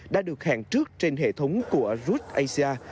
đã được hẹn trước trên hệ thống của good asia